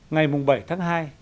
ngày bảy tháng hai